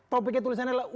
topiknya tulisannya adalah